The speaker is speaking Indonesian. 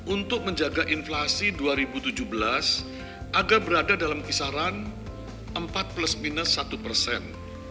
untuk menjaga inflasi dua ribu tujuh belas agar berada dalam kisaran empat plus minus satu persen